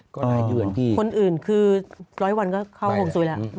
คนอื่นคือ๑๐๐วันก็เข้าฮงสุยแล้ว